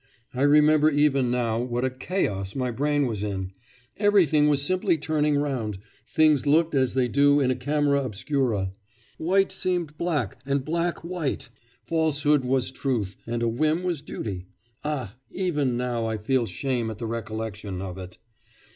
I remember even now what a chaos my brain was in; everything was simply turning round things looked as they do in a camera obscura white seemed black and black white; falsehood was truth, and a whim was duty.... Ah! even now I feel shame at the recollection of it!